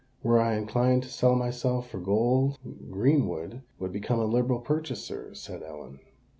"Were I inclined to sell myself for gold, Greenwood would become a liberal purchaser," said Ellen.